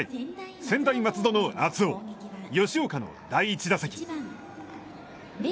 専大松戸の熱男、吉岡の第１打席。